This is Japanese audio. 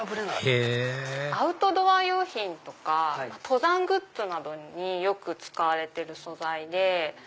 へぇアウトドア用品とか登山グッズなどによく使われてる素材で。